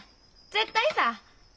絶対さぁ。